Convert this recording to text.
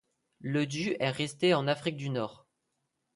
Le du est resté en Afrique du nord.